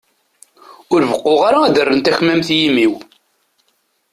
Ur beqquɣ ara ad rren takmamt i yimi-w.